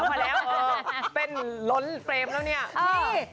พอแล้วเป็นล้นเฟรมแล้วเนี่ย